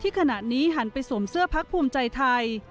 ขณะนี้หันไปสวมเสื้อพักภูมิใจไทย